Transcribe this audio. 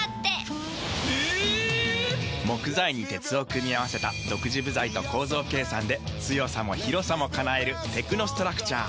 木材に鉄を組み合わせた独自部材と構造計算で強さも広さも叶えるテクノストラクチャー。